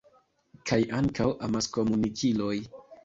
Kaj ankaŭ amaskomunikiloj.